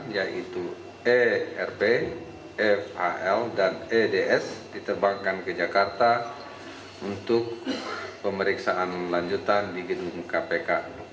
yaitu erp fal dan eds diterbangkan ke jakarta untuk pemeriksaan lanjutan di gedung kpk